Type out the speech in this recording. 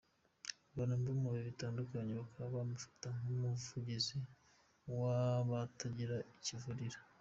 Abantu bo mu bihe bitandukanye bakaba bamufata nk’umuvugizi w’abatagira kivurira.